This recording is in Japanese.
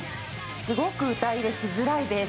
すごく歌入れしづらいベース。